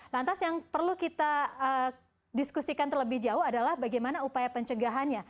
lantas yang perlu kita diskusikan terlebih jauh adalah bagaimana upaya pencegahannya